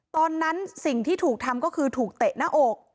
ตอนนั้นสิ่งที่ถูกทำก็คือถูกเตะหน้าอก